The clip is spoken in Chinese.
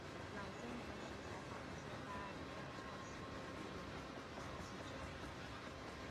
朗森同时采访了揭发雷尔抄袭和误用名句的记者。